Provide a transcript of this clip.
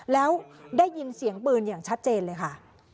แล้วได้ยินเสียงปืนอย่างชัดเจนเลยค่ะ